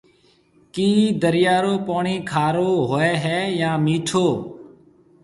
ڪِي دريا رو پوڻِي کارو هوئي هيَ يان مِٺو؟